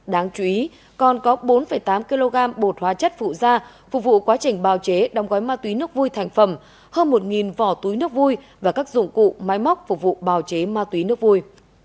đáng chú ý còn có bốn tám kg bột hóa chất phụ da phục vụ quá trình bào chế đong gói ma túy nước vui thành phẩm hơn một vỏ túy nước vui và các dụng cụ máy móc phục vụ bào chế ma túy nước vui